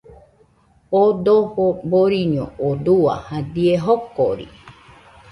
Oo dojo boriño oo dua jadie jokori